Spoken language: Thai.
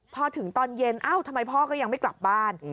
พอถึงตอนเย็นเอ้าทำไมพ่อก็ยังไม่กลับบ้าน